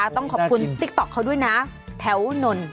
ต้องขอบคุณติ๊กต๊อกเขาด้วยนะแถวนน